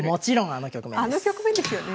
あの局面ですよね。